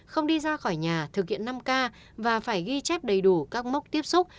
không đi ra khỏi nhà thực hiện năm k và phải ghi chép đầy đủ các mốc tiếp xúc